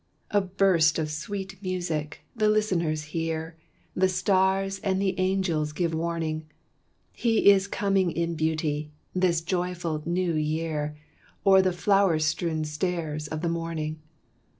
A burst of sweet music, the listeners hear, The stars and the angels give warning He is coming in beauty, this joyful New Year, O'er the flower strewn stairs of the morning.